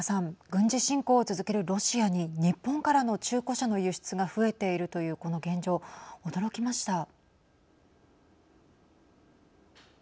軍事侵攻を続けるロシアに日本からの中古車の輸出が増えているというこの現状、驚きました。